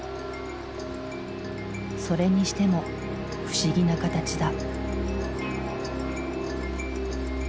それにしても不思議な形だ。